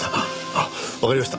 あっわかりました！